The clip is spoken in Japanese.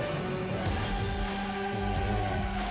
・いいねいいね。